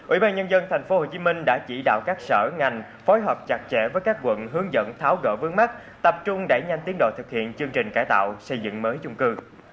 ủy ban nhân dân tp hcm đã chỉ đạo các sở ngành phối hợp chặt chẽ với các quận hướng dẫn tháo gỡ vướng mắt tập trung đẩy nhanh tiến độ thực hiện chương trình cải tạo xây dựng mới chung cư